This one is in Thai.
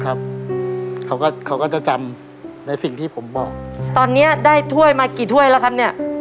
เขาก็เขาก็จะจำในสิ่งที่ผมบอกตอนเนี้ยได้ถ้วยมากี่ถ้วยแล้วครับเนี่ย